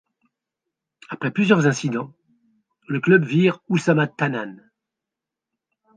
Après plusieurs incidents, le club vire Oussama Tannane.